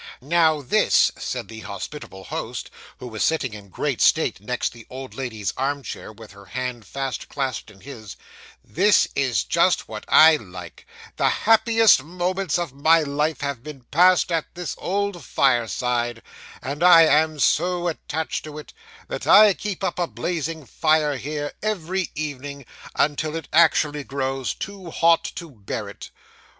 'Now this,' said the hospitable host, who was sitting in great state next the old lady's arm chair, with her hand fast clasped in his 'this is just what I like the happiest moments of my life have been passed at this old fireside; and I am so attached to it, that I keep up a blazing fire here every evening, until it actually grows too hot to bear it.